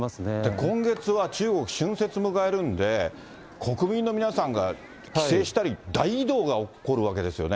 今月は中国、春節迎えるんで、国民の皆さんが帰省したり、大移動が起こるわけですよね。